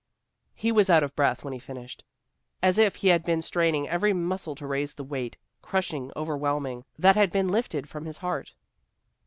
He was out of breath when he finished, as if he had been straining every muscle to raise the weight, crushing, overwhelming, that had been lifted from his heart.